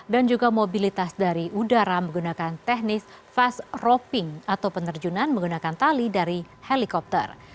dan juga mobilitas dari udara menggunakan teknis fast roping atau penerjunan menggunakan tali dari helikopter